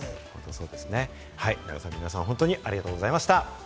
長崎の皆さん、本当にありがとうございました。